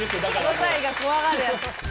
５歳が怖がるやつ。